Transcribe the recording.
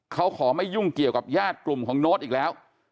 เขาขอไม่ยุ่งเกี่ยวกับญาติกลุ่มของโน้ตอีกแล้ว